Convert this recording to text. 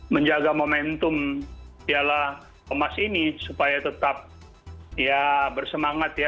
menjaga momentum piala emas ini supaya tetap ya bersemangat ya